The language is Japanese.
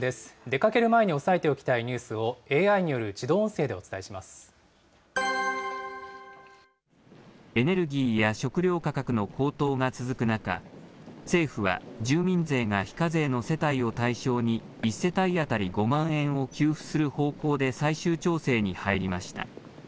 出かける前に押さえておきたいニュースをＡＩによる自動音声でおエネルギーや食料価格の高騰が続く中、政府は、住民税が非課税の世帯を対象に、１世帯当たり５万円を給付する方向で最終調整に入りました。